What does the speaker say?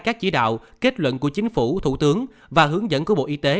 các chỉ đạo kết luận của chính phủ thủ tướng và hướng dẫn của bộ y tế